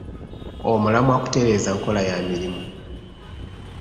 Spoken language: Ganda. Omulamwa kutereeza nkola ya mirimu.